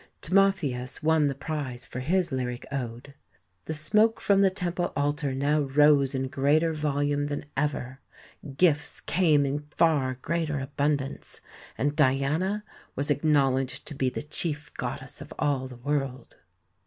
Timotheus won the prize for his lyric ode. The smoke from the temple altar now rose in greater volume than ever; gifts came in far greater abundance, and Diana was i o8 THE SEVEN WONDERS acknowledged to be the chief goddess of all the world.